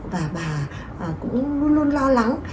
và bà cũng luôn luôn lo lắng